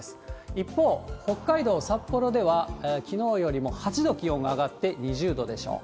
一方、北海道札幌では、きのうよりも８度気温が上がって、２０度でしょう。